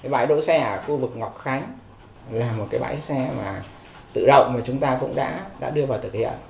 bãi đỗ xe ở khu vực ngọc khánh là một cái bãi xe tự động mà chúng ta cũng đã đưa vào thực hiện